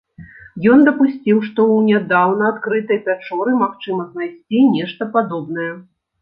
Ён дапусціў, што ў нядаўна адкрытай пячоры магчыма знайсці нешта падобнае.